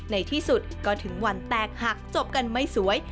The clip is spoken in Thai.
ในที่สุดก็ถึงวันแตกหักจบกันไม่สวย